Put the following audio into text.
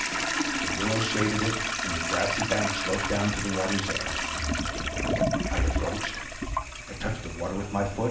The willows shaded it, and the grassy bank sloped down to the water's edge. I approached, I touched the water with my foot.